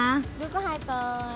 đưa có hai tờ